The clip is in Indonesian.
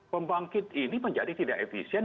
pembangkit ini menjadi tidak efisien